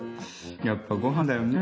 やっぱご飯だよね。